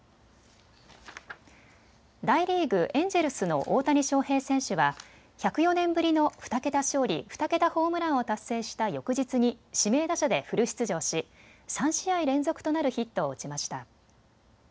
大リーグ、エンジェルスの大谷翔平選手は１０４年ぶりの２桁勝利、２桁ホームランを達成した翌日に指名打者でフル出場し３試合連続となるヒットを打ちました。